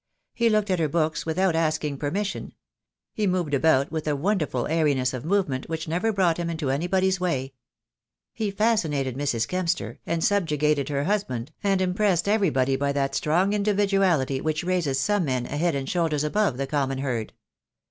He looked at her books without asking permission. He moved about with a won derful airiness of movement which never brought him into anybody's way. He fascinated Mrs. Kempster, and subjugated her husband, and impressed everybody by that strong individuality which raises some men a head and shoulders above the common herd.